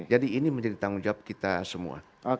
jadi ini menjadi tanggung jawab kita semua